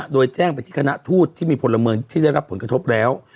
โดยแจ้งไปที่คณะทูตที่มีพลเมืองที่ได้รับผลกระทบแล้ว